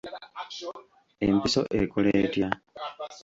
Empiso ekola etya?